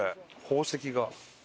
宝石が。